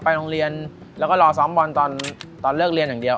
โรงเรียนแล้วก็รอซ้อมบอลตอนเลิกเรียนอย่างเดียว